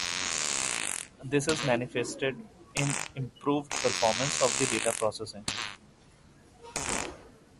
This is manifested in improved performance of the data processing.